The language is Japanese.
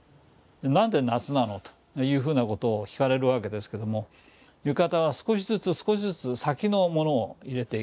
何で夏なの？というふうなことを聞かれるわけですけども浴衣は少しずつ少しずつ先のものを入れていく。